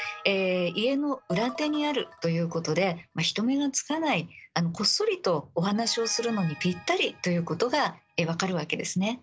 家の裏手にあるということで人目につかないこっそりとお話をするのにぴったりということが分かるわけですね。